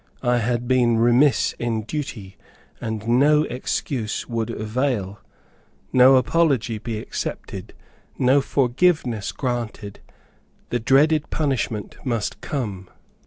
I had been remiss in duty, and no excuse would avail, no apology be accepted, no forgiveness granted; the dreaded punishment must come.